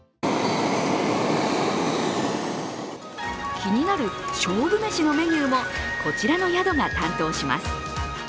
気になる勝負めしのメニューも、こちらの宿が担当します。